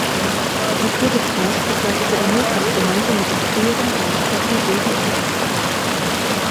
Die Tour de France begleitete er mehrfach gemeinsam mit dem früheren Radsportler Rudi Altig.